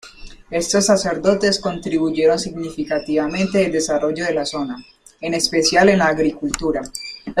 Estos sacerdotes contribuyeron significativamente el desarrollo de la zona, en especial en la agricultura.